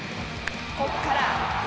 こっから。